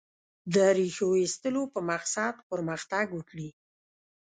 د ریښو ایستلو په مقصد پرمختګ وکړي.